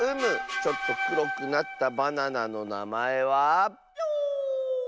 ちょっとくろくなったバナナのなまえは。